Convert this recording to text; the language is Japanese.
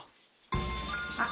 あっ。